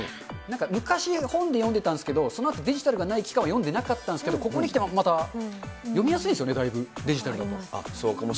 昔、本で読んでたんですけど、そのあとデジタルがない期間は読んでなかったんですけど、ここにきてまた、読みやすいですよね、意外とデジタルでも。